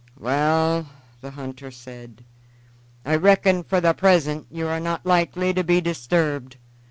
"Waal," the hunter said, "I reckon for the present you are not likely to be disturbed.